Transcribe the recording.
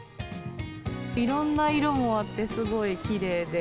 いろんな色もあって、すごいきれいで。